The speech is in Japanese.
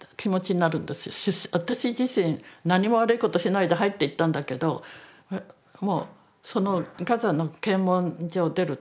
私自身何も悪いことしないで入っていったんだけどもうそのガザの検問所を出るとはあ